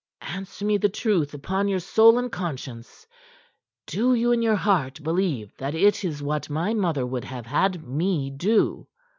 "Answer me the truth upon your soul and conscience: Do you in your heart believe that it is what my mother would have had me do?"